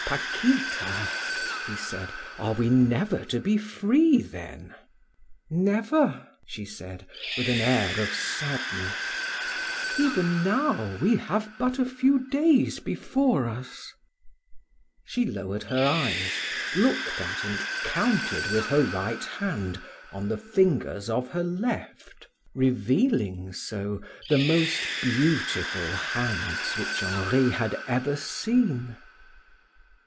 "Paquita," he said, "are we never to be free then?" "Never," she said, with an air of sadness. "Even now we have but a few days before us." She lowered her eyes, looked at and counted with her right hand on the fingers of her left, revealing so the most beautiful hands which Henri had ever seen.